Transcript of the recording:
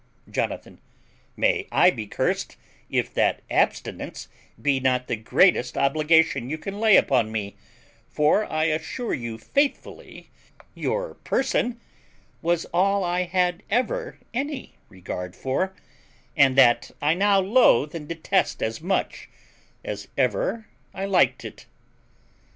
Jonathan. May I be cursed if that abstinence be not the greatest obligation you can lay upon me; for I assure you faithfully your person was all I had ever any regard for; and that I now loathe and detest as much as ever I liked it.